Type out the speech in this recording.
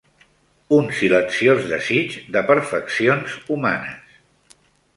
Un silenciós desig de perfeccions humanes